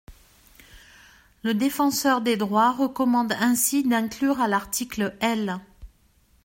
Le Défenseur des droits recommande ainsi d’inclure à l’article L.